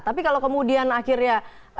tapi kalau kemudian akhirnya